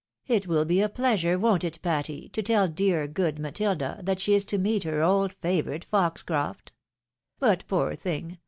It will be a pleasure, won't it, Patty, to tell dear, good Matilda that she is to meet her old favourite, Foxcroft? But, poor thing